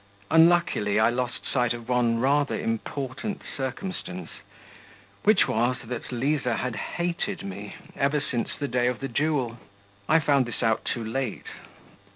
Unluckily, I lost sight of one rather important circumstance, which was that Liza had hated me ever since the day of the duel. I found this out too late.